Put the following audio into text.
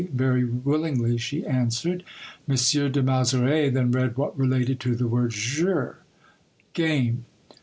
"Very willingly," she answered. M. de Mezeray then read what related to the word Jeu; Game.